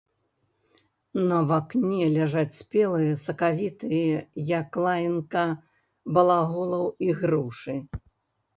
На вакне ляжаць спелыя, сакавітыя, як лаянка балаголаў, ігрушы.